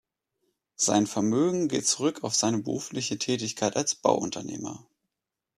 Sein Vermögen geht zurück auf seine berufliche Tätigkeit als Bauunternehmer.